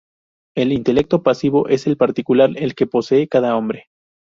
El intelecto pasivo es el particular, el que posee cada hombre.